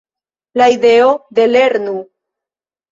La ideo de "lernu!